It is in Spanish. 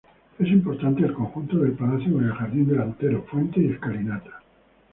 Es importante el conjunto del palacio con el jardín delantero, fuente y escalinata.